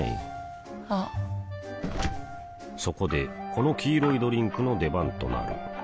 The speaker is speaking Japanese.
あっそこでこの黄色いドリンクの出番となる